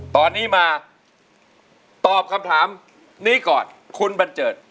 ตอนนี้มาตอบคำถามนี้ก่อนคุณบันเจิด